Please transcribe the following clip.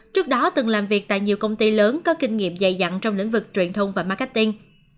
trước đó từng làm việc tại nhiều công ty lớn có kinh nghiệm dày dặn trong lĩnh vực truyền thông và marketing